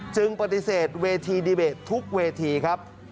จึงปฏิเสธเวทีดีเบตทุกเวทีครับ